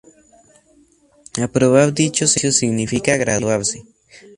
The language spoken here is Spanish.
Aprobar dichos ejercicios significa graduarse.